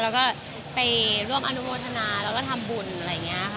แล้วก็ไปร่วมอนุโมทนาแล้วก็ทำบุญอะไรอย่างนี้ค่ะ